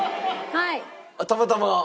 はい。